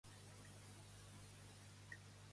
El gegant vell es manté gairebé igual que antany?